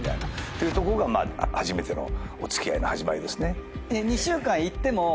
ていうとこが初めてのお付き合いの始まりですね。